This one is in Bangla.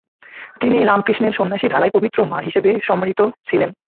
তিনি রামকৃষ্ণের সন্ন্যাসী ধারায় পবিত্র মা হিসাবে সম্মানিত ছিলেন।